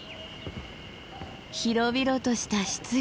広々とした湿原！